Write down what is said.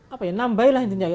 apa ya nambah lah intinya